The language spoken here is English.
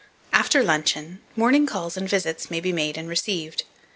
27. AFTER LUNCHEON, MORNING CALLS AND VISITS may be made and received.